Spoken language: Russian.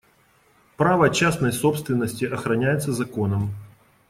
Право частной собственности охраняется законом.